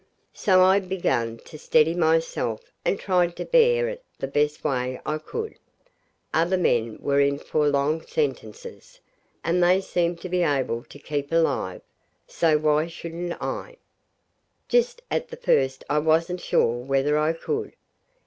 So I began to steady myself and tried to bear it the best way I could. Other men were in for long sentences, and they seemed to be able to keep alive, so why shouldn't I? Just at the first I wasn't sure whether I could.